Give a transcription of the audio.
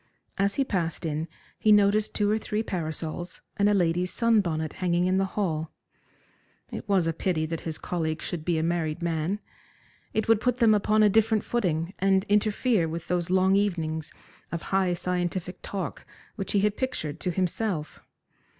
As he passed in he noticed two or three parasols and a lady's sun bonnet hanging in the hall. It was a pity that his colleague should be a married man. It would put them upon a different footing, and interfere with those long evenings of high scientific talk which he had pictured to himself.